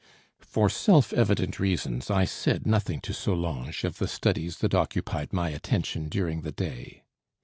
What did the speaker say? For self evident reasons I said nothing to Solange of the studies that occupied my attention during the day.